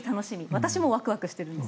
私もワクワクしてるんです。